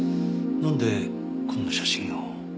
なんでこんな写真を？